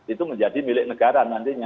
itu menjadi milik negara nantinya